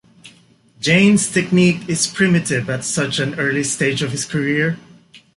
James' technique is primitive at such an early stage of his career.